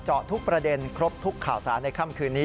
ทุกประเด็นครบทุกข่าวสารในค่ำคืนนี้